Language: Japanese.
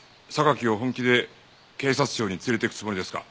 榊を本気で警察庁に連れて行くつもりですか？